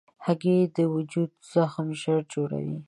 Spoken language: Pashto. هګۍ د وجود زخم ژر جوړوي.